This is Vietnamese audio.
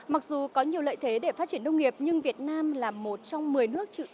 mặc dù có nhiều lợi thế để phát triển nông nghiệp nhưng việt nam là một trong một mươi nước